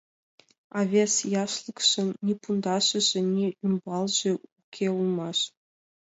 А вес яшлыкшын ни пундашыже, ни ӱмбалже уке улмаш.